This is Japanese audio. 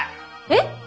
えっ？